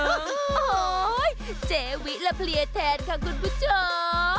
โอ้โหเจวิละเพลียแทนค่ะคุณผู้ชม